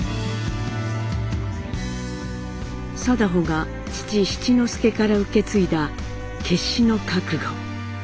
禎穗が父・七之助から受け継いだ決死の覚悟